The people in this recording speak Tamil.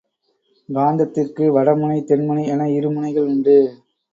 காந்தத்திற்கு வடமுனை, தென்முனை என இரு முனைகள் உண்டு.